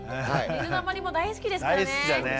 水たまりも大好きですからね。